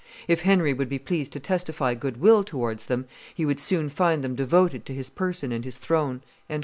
If Henry would be pleased to testify good will towards them, he would soon find them devoted to his person and his throne."